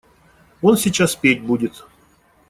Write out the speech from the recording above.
Он сейчас петь будет.